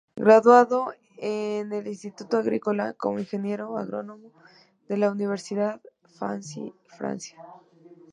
Graduado en el Instituto Agrícola como ingeniero agrónomo, de la Universidad de Nancy, Francia.